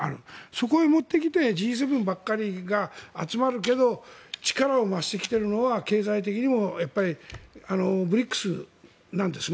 そこへもってきてＧ７ばっかりが集まるけど力を増してきているのは経済的にもＢＲＩＣＳなんです。